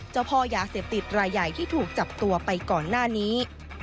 เจ้าพ่อยาเสพติดรายใหญ่ที่ถูกจับตัวไปก่อนหน้านี้